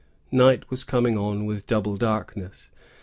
Night was coming on with double darkness.